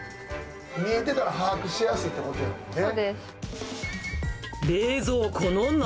見えてたら把握しやすいってことだもんね。